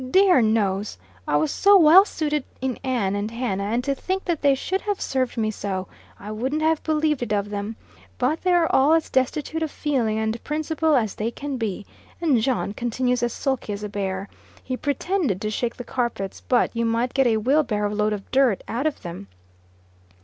"Dear knows! I was so well suited in Ann and Hannah, and, to think that they should have served me so! I wouldn't have believed it of them. But they are all as destitute of feeling and principle as they can be. And John continues as sulky as a bear. He pretended to shake the carpets but you might get a wheelbarrow load of dirt out of them.